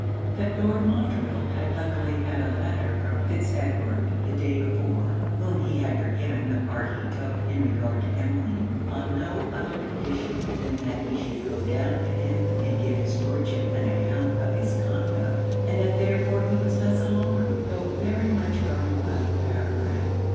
That Lord Montreville had luckily had a letter from Fitz Edward the day before, (whom he had forgiven the part he took in regard to Emmeline on no other condition than that he should go down to him, and give his Lordship an account of his conduct) and that therefore he was less alarmed, tho' very much hurried by the paragraph.